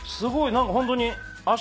何かホントに。